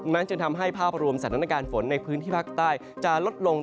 จึงทำให้ภาพรวมสถานการณ์ฝนในพื้นที่ภาคใต้จะลดลง